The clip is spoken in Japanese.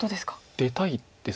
出たいです。